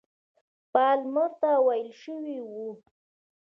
پالمر ته ویل شوي وه.